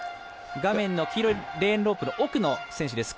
画面の黄色いレーンロープの奥の選手です。